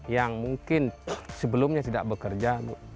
yang mungkin sebelumnya tidak bekerja